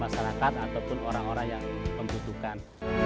masyarakat ataupun orang orang yang membutuhkan